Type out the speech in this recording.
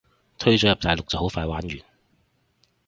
推咗入大陸就好快玩完